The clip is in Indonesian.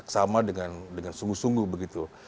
sama dengan sungguh sungguh begitu